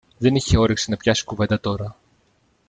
δεν είχε όρεξη να πιάσει κουβέντα τώρα